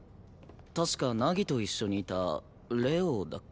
確か凪と一緒にいた玲王だっけ？